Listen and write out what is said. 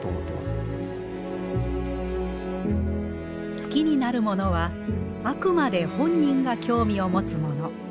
好きになるものはあくまで本人が興味を持つもの。